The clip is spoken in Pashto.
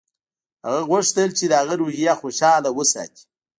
هغه غوښتل چې د هغه روحیه خوشحاله وساتي